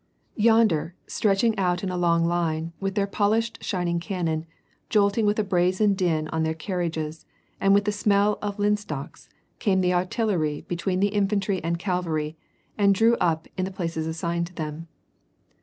Yonder, stretching out in a long line, with their polished shining cannon, jolting with a brazen din on their carriages, and with the smell of linstocks, came the artillery between the infantry and cavalry, and drew up in the places assigned them.